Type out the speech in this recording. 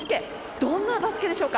どんなバスケでしょうか？